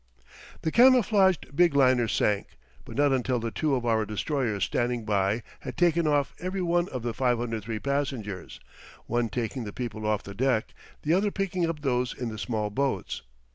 The camouflaged big liner sank, but not until the two of our destroyers standing by had taken off every one of the 503 passengers, one taking the people off the deck, the other picking up those in the small boats.